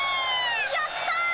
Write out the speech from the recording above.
やった！